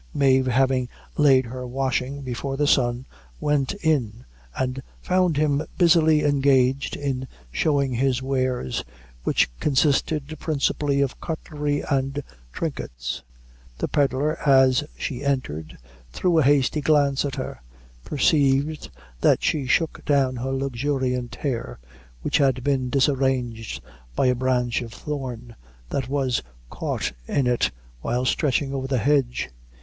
Mave having laid her washing before the sun, went in and found him busily engaged in showing his wares, which consisted principally of cutlery and trinkets. The pedlar, as she entered, threw a hasty glance at her, perceived that she shook down her luxuriant hair, which had been disarranged by a branch of thorn that was caught in it while stretching over the hedge.